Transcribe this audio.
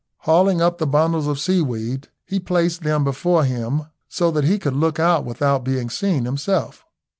Hauling up the bundles of seaweed, he placed them before him, so that he could look out without being seen himself.